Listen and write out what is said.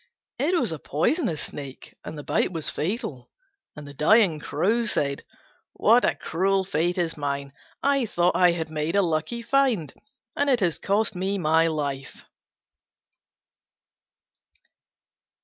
It was a poisonous Snake, and the bite was fatal, and the dying Crow said, "What a cruel fate is mine! I thought I had made a lucky find, and it has cost me my life!"